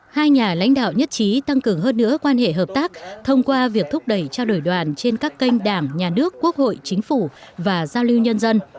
hai nhà lãnh đạo nhất trí tăng cường hơn nữa quan hệ hợp tác thông qua việc thúc đẩy trao đổi đoàn trên các kênh đảng nhà nước quốc hội chính phủ và giao lưu nhân dân